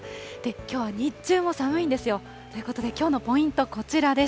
きょうは日中も寒いんですよ。ということで、きょうのポイント、こちらです。